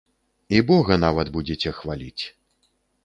І бога нават будзеце хваліць.